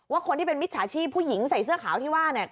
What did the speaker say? ว่าคนที่เป็นมิตรสาชีพผู้หญิงใส่เสื้อขาวที่ว่า